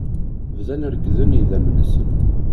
Bdan rekkden yidamen-nsen.